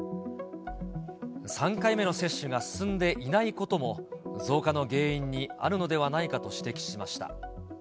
３回目の接種が進んでいないことも、増加の原因にあるのではないかと指摘しました。